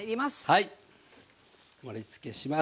はい。